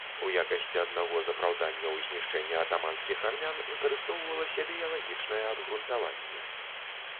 У якасці аднаго з апраўданняў знішчэння атаманскіх армян выкарыстоўвалася біялагічнае абгрунтаванне.